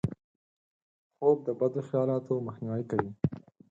خوب د بدو خیالاتو مخنیوی کوي